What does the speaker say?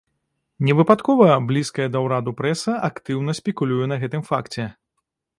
Не выпадкова блізкая да ўраду прэса актыўна спекулюе на гэтым факце.